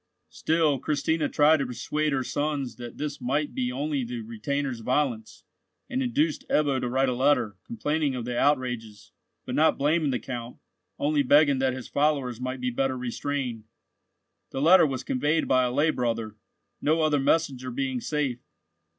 Still Christina tried to persuade her sons that this might be only the retainers' violence, and induced Ebbo to write a letter, complaining of the outrages, but not blaming the Count, only begging that his followers might be better restrained. The letter was conveyed by a lay brother—no other messenger being safe.